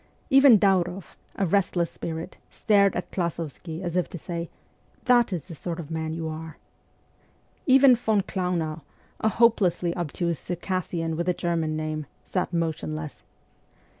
Even DaurofF, a restless spirit, stared at Klasovsky as if to say, ' That is the sort of man you are ?' Even von Kleinau, a hopelessly obtuse Circassian with a German name, sat motionless.